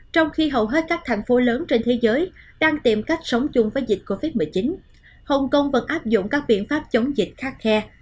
trong khi hầu hết các thành phố lớn trên thế giới đang tìm cách sống chung với dịch covid một mươi chín hồng kông vẫn áp dụng các biện pháp chống dịch khắc khe